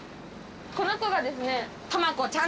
この子がですね。